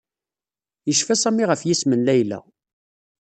Yecfa Sami ɣef yisem n Layla.